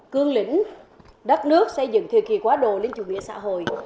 cương lĩnh đất nước xây dựng thời kỳ quá đồ linh chủ nghĩa xã hội